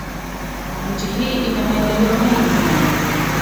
Nchi hii ina maendeleo mengi sana.